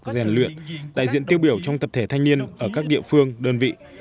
rèn luyện đại diện tiêu biểu trong tập thể thanh niên ở các địa phương đơn vị